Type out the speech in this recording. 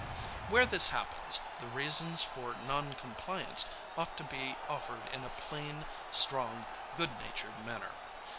Where this happens, the reasons for non compliance ought to be offered in a plain, strong, good natured manner.